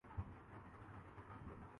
یہاں کیا گرنا تھا؟